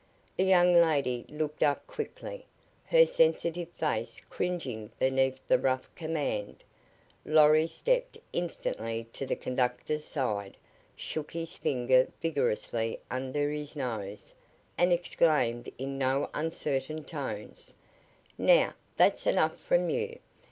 The young lady looked up quickly, her sensitive face cringing beneath the rough command. Lorry stepped instantly to the conductor's side, shook his finger vigorously under his nose, and exclaimed in no uncertain tones: "Now, that's enough from you!